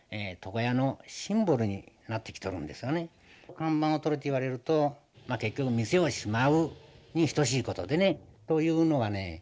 看板を取れと言われるとまあ結局店をしまうに等しいことでね。というのがね